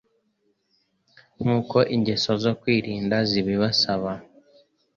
nk’uko ingeso zo kwirinda zibibasaba.